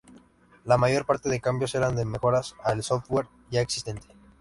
La mayor parte de cambios eran de mejoras, a el software ya existente.